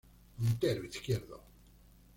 Puntero izquierdo.